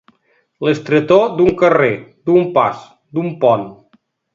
L'estretor d'un carrer, d'un pas, d'un pont.